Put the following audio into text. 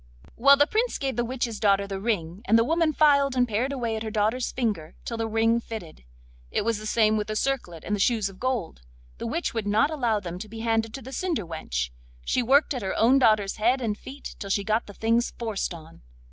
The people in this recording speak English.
Well, then the Prince gave the witch's daughter the ring, and the woman filed and pared away at her daughter's finger till the ring fitted. It was the same with the circlet and the shoes of gold. The witch would not allow them to be handed to the cinder wench; she worked at her own daughter's head and feet till she got the things forced on.